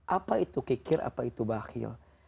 apa itu kikir apa itu bakhil